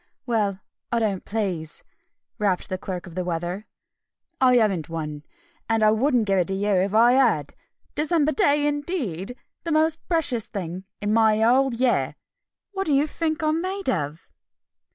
"Well, I don't please!" rapped the Clerk of the Weather. "I haven't one! And I wouldn't give it to you if I had! December day, indeed! The most precious thing in my whole year! What do you think I'm made of?"